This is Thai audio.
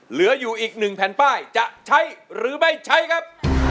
เหลืออยู่อีก๑แผ่นป้ายจะใช้หรือไม่ใช้ครับ